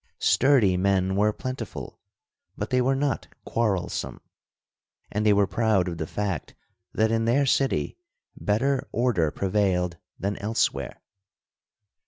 Sturdy men were plentiful, but they were not quarrelsome, and they were proud of the fact that in their city better order prevailed than elsewhere.